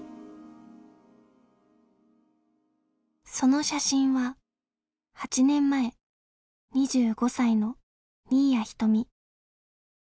その写真は８年前２５歳の新谷仁美。